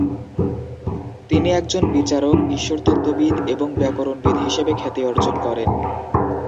তিনি একজন বিচারক, ঈশ্বরতত্ত্ববিদ এবং ব্যাকরণবিদ হিসেবে খ্যাতি অর্জন করেন।